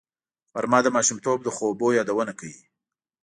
غرمه د ماشومتوب د خوبونو یادونه کوي